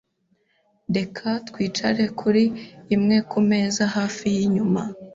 Reka twicare kuri imwe kumeza hafi yinyuma.